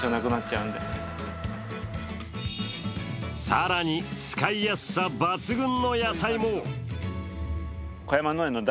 更に使いやすさ抜群の野菜も。